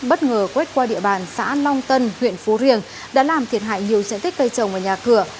bất ngờ quét qua địa bàn xã long tân huyện phú riềng đã làm thiệt hại nhiều diện tích cây trồng và nhà cửa